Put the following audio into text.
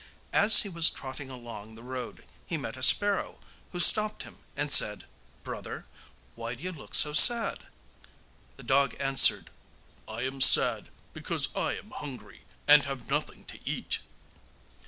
As he was trotting along the road he met a sparrow, who stopped him and said: 'Brother, why do you look so sad?' The dog answered: 'I am sad because I am hungry, and have nothing to eat.